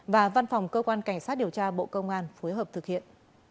và văn phòng cơ quan cảnh sát điều tra bộ công an phối hợp thực hiện